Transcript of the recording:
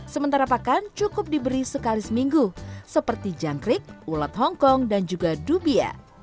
sementara pakan cukup diberi sekali seminggu seperti jangkrik ulat hongkong dan juga dubia